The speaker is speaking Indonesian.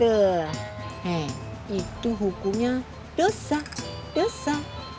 he itu hukumnya dosa dosa